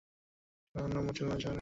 South Wales Severn মোহনা জুড়ে রয়েছে।